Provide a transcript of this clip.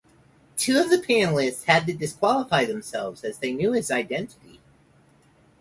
Two of the panelists had to disqualify themselves, as they knew his identity.